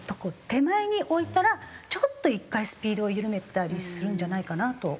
手前に置いたらちょっと１回スピードを緩めたりするんじゃないかなと。